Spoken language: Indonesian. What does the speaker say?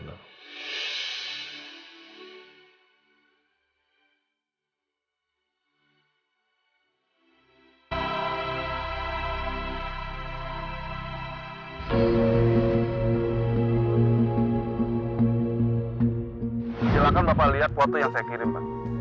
silahkan bapak lihat foto yang saya kirim